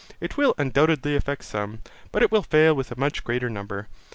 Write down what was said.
It will undoubtedly affect some, but it will fail with a much greater number.